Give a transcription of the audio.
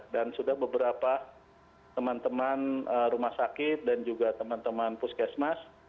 dan sudah beberapa teman teman rumah sakit dan juga teman teman puskesmas